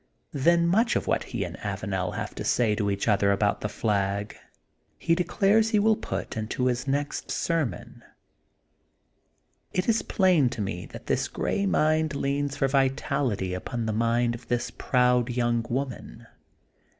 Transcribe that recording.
Then much of what he and Avanel have to say to each other about the flag he de clares he will put into his next sermon. It is plain to me that this gray mind leans for vi / 122 THE GOLDEN BOOK OF SPRINGFIELD tality upon the mind of the proud young child.